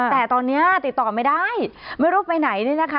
แต่ตอนนี้ติดต่อไม่ได้ไม่รู้ไปไหนเนี่ยนะคะ